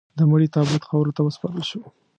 د مړي تابوت خاورو ته وسپارل شو.